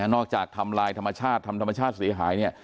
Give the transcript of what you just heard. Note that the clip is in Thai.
ทำลายธรรมชาติทำธรรมชาติเสียหายเนี่ย